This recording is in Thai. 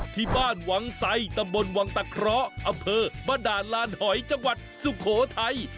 ที่บ้านวังไซตำบลวังตะเคราะห์อำเภอบ้านด่านลานหอยจังหวัดสุโขทัย